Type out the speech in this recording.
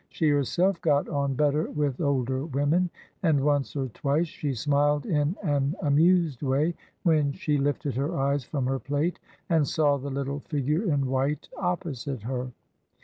She herself got on better with older women;" and once or twice she smiled in an amused way when she lifted her eyes from her plate and saw the little figure in white opposite her.